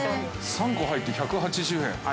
◆３個入って、１８０円。